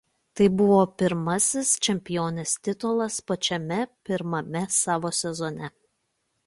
Tai buvo pirmasis čempionės titulas pačiame pirmame savo sezone.